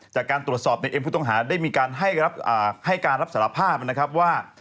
จากการตรวจสอบในเอ็มผู้ต้องหาได้มีการให้การรับสารภาพนะครับว่า